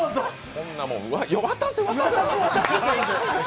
そんなもん、渡せ、渡せ。